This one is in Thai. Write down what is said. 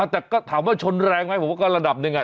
แต่ก็ถามว่าชนแรงไหมผมว่าก็ระดับหนึ่ง